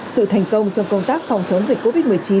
sự thành công trong công tác phòng chống dịch covid một mươi chín